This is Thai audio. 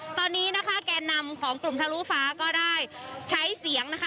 ตอนนี้นะคะแก่นำของกลุ่มทะลุฟ้าก็ได้ใช้เสียงนะคะ